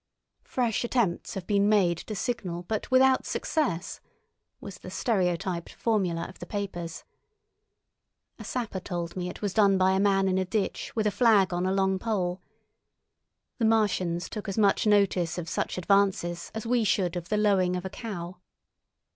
"Fresh attempts have been made to signal, but without success," was the stereotyped formula of the papers. A sapper told me it was done by a man in a ditch with a flag on a long pole. The Martians took as much notice of such advances as we should of the lowing of a cow.